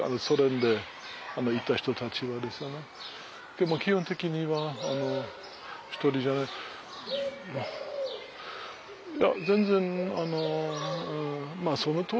でも基本的には１人じゃない。